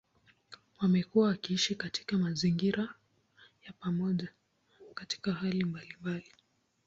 Wamekuwa wakiishi katika mazingira ya pamoja katika hali mbalimbali.